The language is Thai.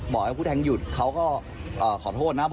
บอกให้ผู้แทงหยุดเขาก็ขอโทษนะ